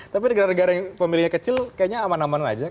tapi negara negara yang pemilihnya kecil kayaknya aman aman aja